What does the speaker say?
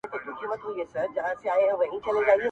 زما ياران اوس په دې شكل سـوله.